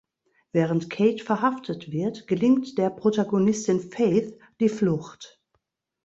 Während Kate verhaftet wird, gelingt der Protagonistin Faith die Flucht.